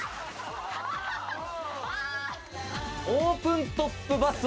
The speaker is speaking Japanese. オープントップバス！